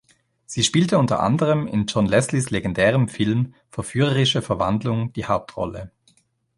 Sie spielte unter anderem in John Leslies legendärem Film "Verführerische Verwandlung" die Hauptrolle.